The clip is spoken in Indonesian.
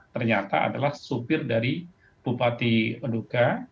ternyata adalah sopir dari bupati nduga